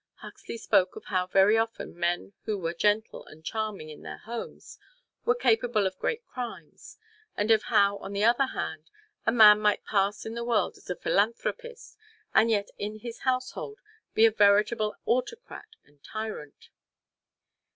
Huxley spoke of how very often men who were gentle and charming in their homes were capable of great crimes, and of how, on the other hand, a man might pass in the world as a philanthropist, and yet in his household be a veritable autocrat and tyrant.